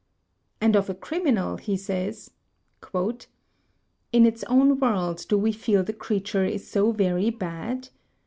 And of a criminal he says: "In its own world do we feel the creature is so very bad?